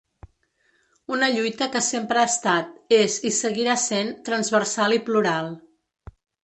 Una lluita que sempre ha estat, és i seguira sent transversal i plural.